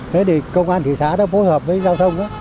thế thì công an thị xã đã phối hợp với giao thông á